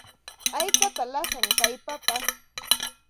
¿Haykataq lasan kay papa?